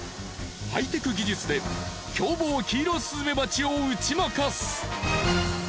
ハイテク技術で凶暴キイロスズメバチを打ち負かす。